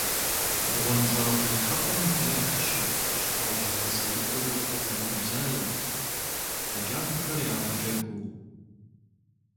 БгъуэнщӀагъ ихьэпӀэм деж щыт щхъуэжь гъэсаитӀыр зэӀурыбзаерт, я кӀапэхэр ягъэджэгуу.